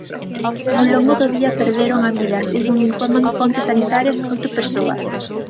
Ao longo do día perderon a vida, segundo informan fontes sanitarias, oito persoas.